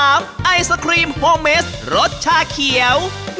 ไอศครีมโฮเมสรสชาเขียว